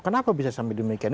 kenapa bisa sampai demikian